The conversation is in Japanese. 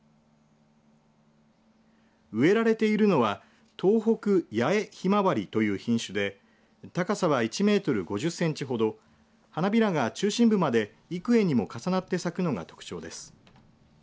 植えられているのは東北八重ひまわりという品種で高さは１メートル５０センチほど花びらが中心部まで幾重にも重なって咲くのが特徴です。